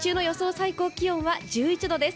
最高気温は１１度です。